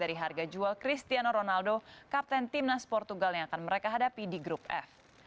dari harga jual cristiano ronaldo kapten timnas portugal yang akan mereka hadapi di grup f